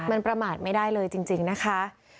มันประมาทไม่ได้เลยจริงนะคะ